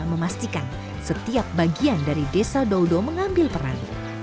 memastikan setiap bagian dari desa doudo mengambil peran